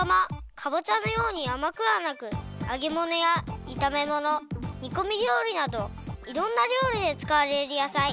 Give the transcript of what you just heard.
かぼちゃのようにあまくはなくあげものやいためものにこみりょうりなどいろんなりょうりでつかわれるやさい。